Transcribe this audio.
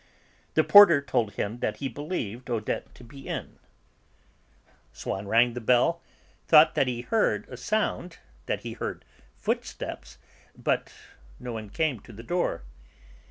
The porter told him that he believed Odette to be in; Swann rang the bell, thought that he heard a sound, that he heard footsteps, but no one came to the door.